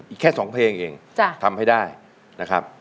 อีกแค่๒เพลงเองทำให้ได้นะครับ